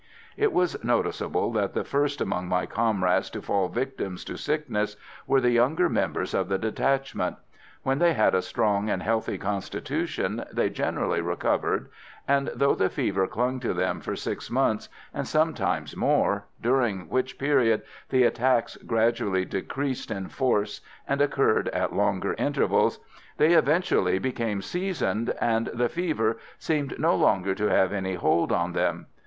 It was noticeable that the first among my comrades to fall victims to sickness were the younger members of the detachment. When they had a strong and healthy constitution they generally recovered, and though the fever clung to them for six months, and sometimes more, during which period the attacks gradually decreased in force and occurred at longer intervals, they eventually became seasoned, and the fever seemed no longer to have any hold on them.